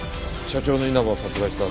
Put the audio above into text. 社長の稲葉を殺害した